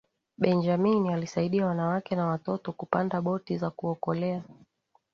benjamin alisaidia wanawake na watoto kupanda boti za kuokolea